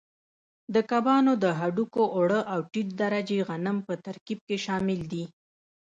د کبانو د هډوکو اوړه او ټیټ درجې غنم په ترکیب کې شامل دي.